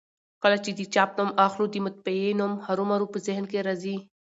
کله چي د چاپ نوم اخلو؛ د مطبعې نوم هرومرو په ذهن کي راځي.